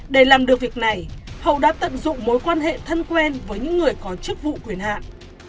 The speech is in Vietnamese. để làm được việc này hậu đã tận dụng mối quan hệ thân quen với những người có chức vụ quyền hạn